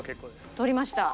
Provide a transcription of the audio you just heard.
取りました。